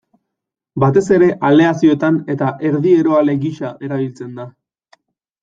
Batez ere aleazioetan eta erdieroale gisa erabiltzen da.